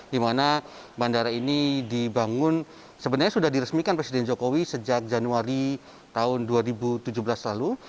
di mana bandara ini dibangun sebenarnya sudah diresmikan presiden jokowi sejak januari tahun dua ribu tujuh belas lalu